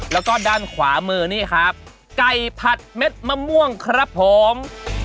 แล้วก็ด้านขวามือนี่ครับไก่ผัดเม็ดมะม่วงครับผม